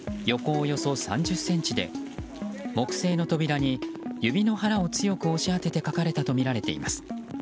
およそ３０ｃｍで木製の扉に指の腹を強く押し当てて描かれたとみられています。